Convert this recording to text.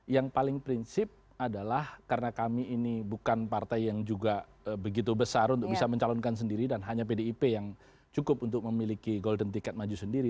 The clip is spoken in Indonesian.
yang paling prinsip adalah karena kami ini bukan partai yang juga begitu besar untuk bisa mencalonkan sendiri dan hanya pdip yang cukup untuk memiliki golden ticket maju sendiri